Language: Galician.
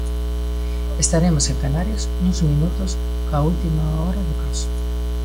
Estaremos en Canarias nuns minutos, coa última hora do caso.